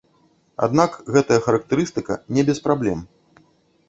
Аднак гэтая характарыстыка не без праблем.